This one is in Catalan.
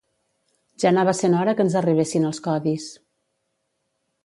Ja anava sent hora que ens arribessin els codis!